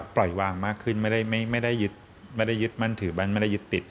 ปล่อยวางมากขึ้นไม่ได้ยึดมั่นถือมั่นไม่ได้ยึดติด